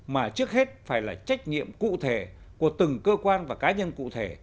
mà trước hết phải là trách nhiệm cụ thể của từng cơ quan và cá nhân cụ thể